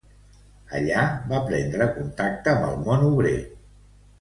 Allà va prendre contacte amb el món obrer.